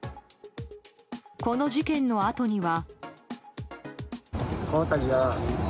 この事件のあとには。